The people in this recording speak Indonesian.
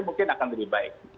mungkin akan lebih baik